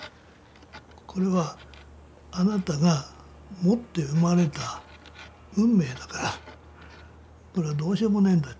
これはあなたが持って生まれた運命だからこれはどうしようもねえんだ